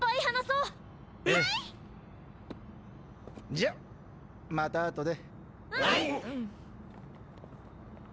じゃまた後で。